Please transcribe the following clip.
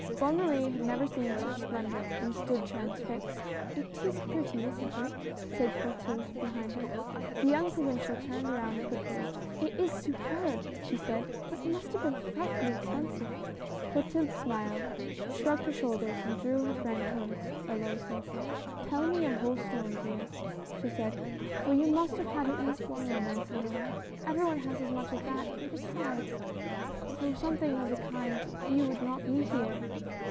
Bonne Marie had never seen such splendor, and stood transfixed. "It is pretty, isn't it?" said Clotilde, behind her. The young provincial turned round quickly. "It is superb!" she said. "But it must have been frightfully expensive." Clotilde smiled, shrugged her shoulders and drew her friend toward a low sofa. "Tell me your whole story, dear," she said, "for you must have had at least one romance in your life. Every one has as much as that, and besides, but for something of the kind you would not be here."